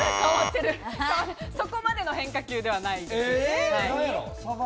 そこまでの変化球ではないです。